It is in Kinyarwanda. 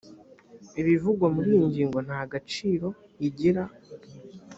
ibivugwa muri iyi ngingo nta gaciro igira